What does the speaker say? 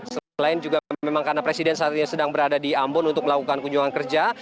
selain juga memang karena presiden saat ini sedang berada di ambon untuk melakukan kunjungan kerja